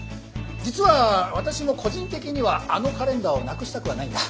実は私も個人的にはあのカレンダーをなくしたくはないんだ。